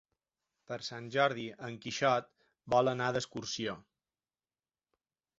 Per Sant Jordi en Quixot vol anar d'excursió.